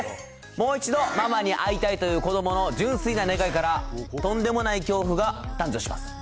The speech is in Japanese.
もう一度、ママに会いたいという子どもの純粋な願いから、とんでもない恐怖が誕生します。